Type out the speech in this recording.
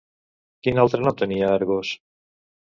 Quin altre nom tenia Argos?